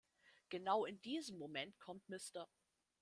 Genau in diesem Moment kommt Mr.